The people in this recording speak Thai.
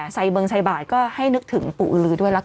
ใสเบิงใสบ่ายก็ให้นึกถึงปู่อุลื้อด้วยละกัน